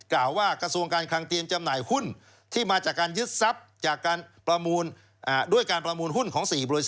กล่าวว่ากระทรวงการคลังเตรียมจำหน่ายหุ้น